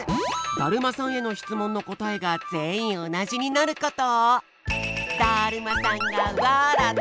だるまさんへのしつもんのこたえがぜんいんおなじになること。